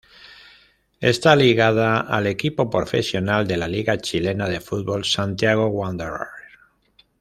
Está ligada al equipo profesional de la liga chilena de fútbol Santiago Wanderers.